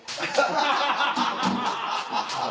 ハハハハハ！